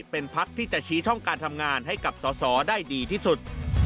เป็นพักที่จะชี้ช่องการทำงานให้กับสอสอได้ดีที่สุด